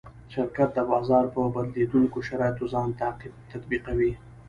شرکت د بازار په بدلېدونکو شرایطو ځان تطبیقوي.